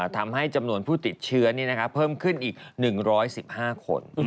ทำให้จำนวนผู้ติดเชื้อเพิ่มขึ้นอีก๑๑๕คน